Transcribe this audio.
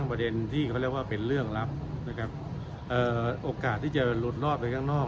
นับรวมเต็มทั่วและเรื่องการให้สิทธิ์ต่าง